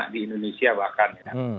di indonesia bahkan